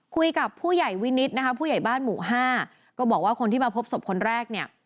คุยกับผู้ใหญ่วินิตนะคะผู้ใหญ่บ้านหมู่ห้าก็บอกว่าคนที่มาพบศพคนแรกเนี่ย